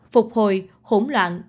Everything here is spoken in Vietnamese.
phục hồi hỗn loạn